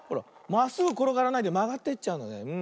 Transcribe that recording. まっすぐころがらないでまがっていっちゃうんだね。